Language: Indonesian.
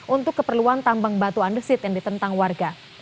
untuk keperluan tambang batu andesit yang ditentang warga